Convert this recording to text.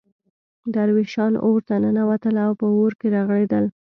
درویشان اورته ننوتل او په اور کې رغړېدل.